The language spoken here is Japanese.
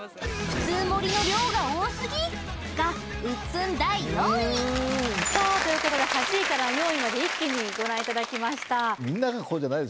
普通盛りの量が多すぎがウップン第４位さあということで８位から４位まで一気にご覧いただきました